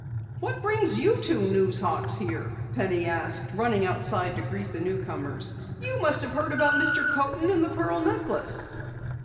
"What brings you two news hawks here?" Penny asked, running outside to greet the newcomers. "You must have heard about Mr. Coaten and the pearl necklace!"